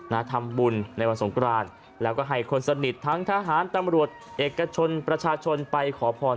นะทำบุญในวันสงกรานแล้วก็ให้คนสนิททั้งทหารตำรวจเอกชนประชาชนไปขอพร